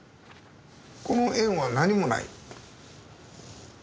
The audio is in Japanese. この円は何もない。